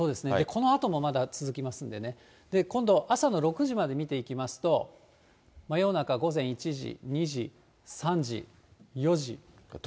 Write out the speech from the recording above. このあともまだ続きますんでね、今度、朝の６時まで見ていきますと、真夜中午前１時、２時、３時、４時、５時、６時。